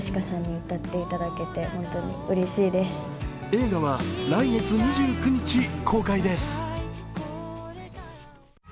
映画は来月２９日公開です。